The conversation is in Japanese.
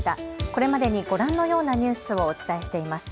これまでにご覧のようなニュースをお伝えしています。